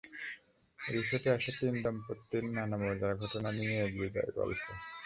রিসোর্টে আসা তিন দম্পতির নানা মজার ঘটনা নিয়ে এগিয়ে যায় গল্প।